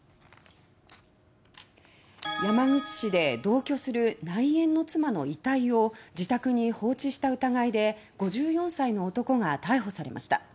山口市で同居する内縁の妻の遺体を自宅に放置した疑いで５４歳の男が逮捕されました。